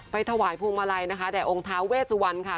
ไปถวายภวงมาลัยนะคะแต่องค์ท้าเวสวรรค์ค่ะ